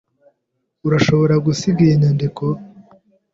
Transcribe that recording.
Urashobora gusinya iyi nyandiko?